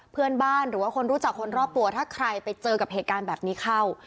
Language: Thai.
หรือว่าคนรู้จักคนรอบตัวถ้าใครไปเจอกับเหตุการณ์แบบนี้เข้า